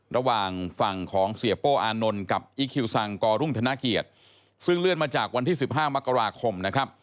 ระหว่างฝั่งของเสียโป้อานนท์กับอีคิวซังกรุ่งธนเกียรติซึ่งเลื่อนมาจากวันที่๑๕มกราคมนะครับ